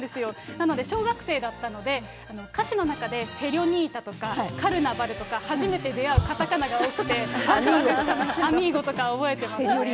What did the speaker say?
なので、小学生だったので、歌詞の中でセニョリータとかカルナバルとか、初めて出会うかたかなが多くて、わくわくした、アミーゴとか覚えてますね。